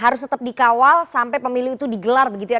harus tetap dikawal sampai pemilu itu digelar begitu ya